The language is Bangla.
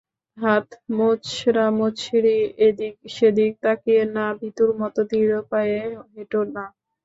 হাত মোচড়ামুচড়ি, এদিক সেদিক তাকিয়ো না ভীতুর মতো ধীর পায়ে হেটো না।